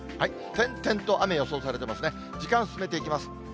点々と雨予想されてますね、時間進めていきます。